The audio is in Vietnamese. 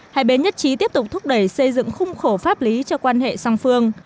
hai bên nhất trí tiếp tục thúc đẩy xây dựng khung khổ pháp lý cho quan hệ song phương